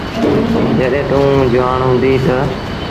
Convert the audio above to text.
جڏهيݩٚ توٚنٚ جُوآڻ هُنٚدي تا